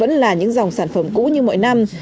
vẫn là những dòng sản phẩm cũ như mọi năm